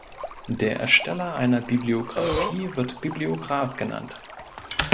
Der Ersteller einer Bibliografie wird Bibliograf genannt.